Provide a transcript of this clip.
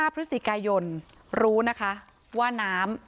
พฤศจิกายนรู้นะคะว่าน้ำ